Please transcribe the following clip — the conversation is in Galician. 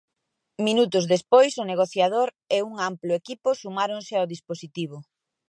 Minutos despois, o negociador e un amplo equipo sumáronse ao dispositivo.